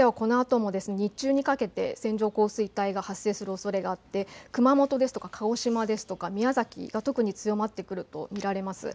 九州ではこのあとも日中にかけて線状降水帯が発生するおそれがあって熊本ですとか鹿児島ですとか宮崎、特に強まってくると見られます。